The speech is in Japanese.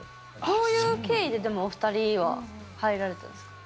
どういう経緯ででもお二人は入られたんですか？